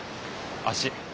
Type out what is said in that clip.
足。